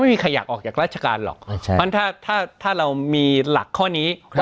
ไม่มีใครอยากออกจากราชการหรอกใช่ถ้าถ้าถ้าเรามีหลักข้อนี้ครับ